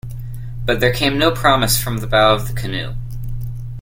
But there came no promise from the bow of the canoe.